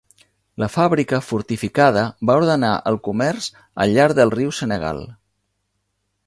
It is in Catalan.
La fàbrica fortificada va ordenar el comerç al llarg del riu Senegal.